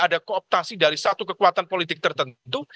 ada kooptasi dari satu kekuatan politik tertentu